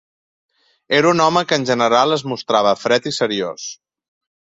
Era un home que en general es mostrava fred i seriós.